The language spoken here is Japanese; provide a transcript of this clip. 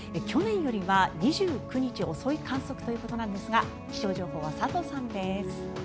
去年よりは２９日遅い観測ということなんですが気象情報は佐藤さんです。